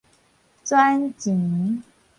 賺錢